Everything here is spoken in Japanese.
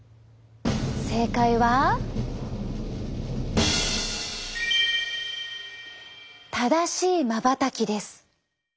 正解は正しいまばたきです！